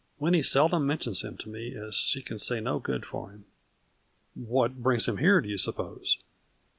Winnie seldom mentions him to me as she can say no good of him." " What brings him here, do you suppose